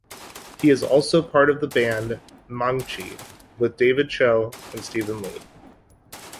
He is also part of the band Mangchi with David Choe and Steven Lee.